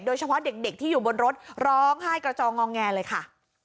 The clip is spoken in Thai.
โดยเฉพาะเด็กที่อยู่บนรถร้องไห้กระจองงองแงเลยค่ะ